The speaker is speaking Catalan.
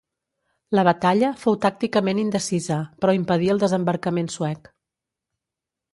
La batalla fou tàcticament indecisa, però impedí el desembarcament suec.